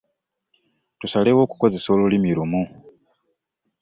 Tusalewo okukozesa olulimi lumu.